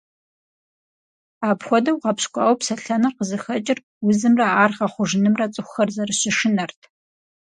Апхуэдэу гъэпщкӏуауэ псэлъэныр къызыхэкӏыр узымрэ ар гъэхъужынымрэ цӏыхухэр зэрыщышынэрт.